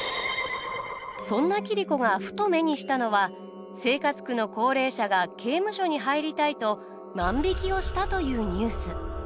そんな桐子がふと目にしたのは生活苦の高齢者が刑務所に入りたいと万引きをしたというニュース。